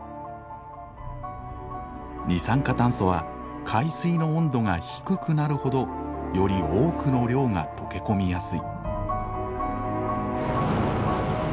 二酸化炭素は海水の温度が低くなるほどより多くの量が溶け込みやすい。